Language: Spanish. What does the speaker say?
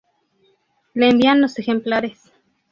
Le envían los ejemplares.